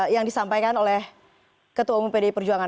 yang disampaikan oleh ketua umum pdi perjuangan